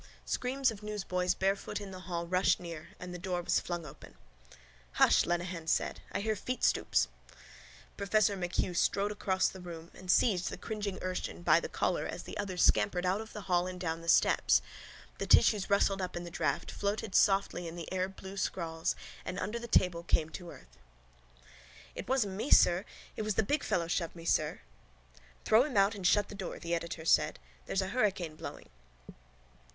Screams of newsboys barefoot in the hall rushed near and the door was flung open. —Hush, Lenehan said. I hear feetstoops. Professor MacHugh strode across the room and seized the cringing urchin by the collar as the others scampered out of the hall and down the steps. The tissues rustled up in the draught, floated softly in the air blue scrawls and under the table came to earth. —It wasn't me, sir. It was the big fellow shoved me, sir. —Throw him out and shut the door, the editor said. There's a hurricane blowing.